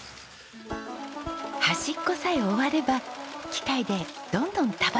端っこさえ終われば機械でどんどん束ねていけます。